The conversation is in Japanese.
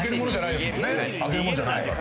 開けるもんじゃないから。